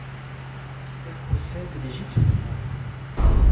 Ster possède des gîtes ruraux.